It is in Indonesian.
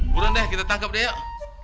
buron deh kita tangkap deh yuk